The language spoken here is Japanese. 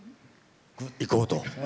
行こうと。